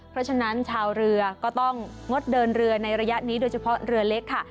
เพราะฉะนั้นชาวเรือก็ต้องงดเดินเรือในระยะนี้โดยเฉพาะเรือเล็กค่ะ